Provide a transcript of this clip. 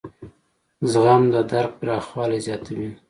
زغم د درک پراخوالی زیاتوي.